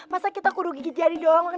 masa kita kudu gigi jari doang